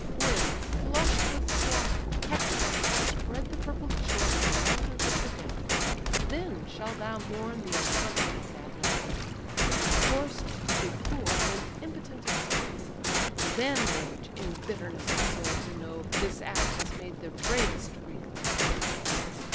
When, flush'd with slaughter, Hector comes to spread The purpled shore with mountains of the dead, Then shalt thou mourn the affront thy madness gave, Forced to deplore when impotent to save: Then rage in bitterness of soul to know This act has made the bravest Greek thy foe."